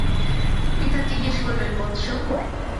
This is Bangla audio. পিতা জিজ্ঞেস করলেন, বৎস!